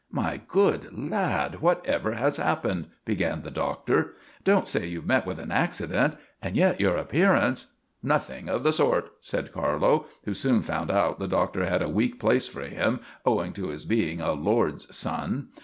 "My good lad, whatever has happened?" began the Doctor. "Don't say you have met with an accident? And yet your appearance " "Nothing of the sort," said Carlo, who soon found out the Doctor had a weak place for him, owing to his being a lord's son.